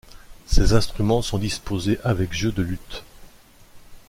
Ces instruments sont disposés avec jeu de luth.